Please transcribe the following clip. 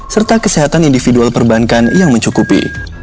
serta kesehatan individual perbankan yang mencukupi